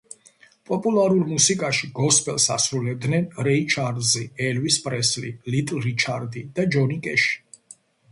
პოპულარულ მუსიკაში გოსპელს ასრულებდნენ რეი ჩარლზი, ელვის პრესლი, ლიტლ რიჩარდი და ჯონი კეში.